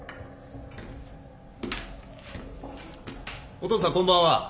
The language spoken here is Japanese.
お父さんこんばんは。